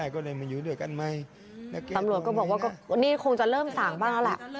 คือตำรวจก็บอกว่านี่คงจะเริ่มสั่งบ้างแล้วล่ะ